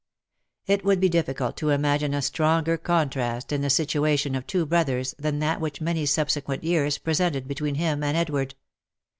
It would be difficult to imagine a stronger contrast in the situation of two brothers than that which many subsequent years presented be tween him and Edward.